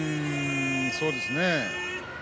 そうですね。